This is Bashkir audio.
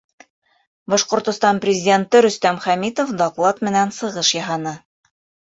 Башҡортостан Президенты Рөстәм Хәмитов доклад менән сығыш яһаны.